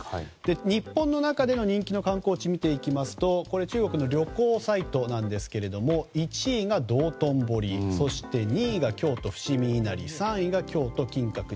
日本の中での人気の観光地を見ていきますと中国の旅行サイトなんですが１位が道頓堀２位が京都・伏見稲荷３位が京都・金閣寺。